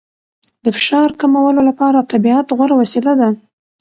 د فشار کمولو لپاره طبیعت غوره وسیله ده.